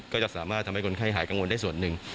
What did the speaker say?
ก็จะสามารถทำให้คนไข้หายกังวลได้ส่วนหนึ่ง